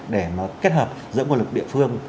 để nó kết hợp giữa nguồn lực địa phương